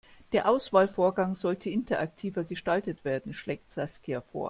Der Auswahlvorgang sollte interaktiver gestaltet werden, schlägt Saskia vor.